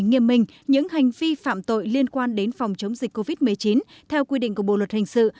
nghiêm minh những hành vi phạm tội liên quan đến phòng chống dịch covid một mươi chín theo quy định của bộ luật hình sự